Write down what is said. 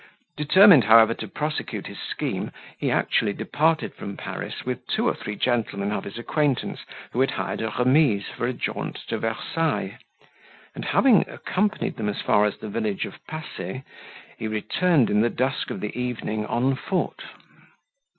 Determined, however, to prosecute his scheme, he actually departed from Paris with two or three gentlemen of his acquaintance, who had hired a remise for a jaunt to Versailles; and having accompanied them as far as the village of Passe, he returned in the dusk of the evening on foot.